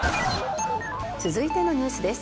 続いてのニュースです。